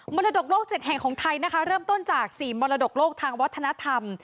รดกโลก๗แห่งของไทยนะคะเริ่มต้นจาก๔มรดกโลกทางวัฒนธรรม